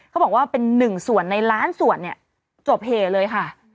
เขาบอกว่าเป็นหนึ่งส่วนในล้านส่วนเนี่ยจบเหเลยค่ะ